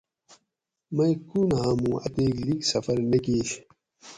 مئ کون ھامو اتیک لیگ سفر نہ کیش